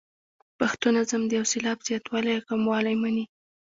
پښتو نظم د یو سېلاب زیاتوالی او کموالی مني.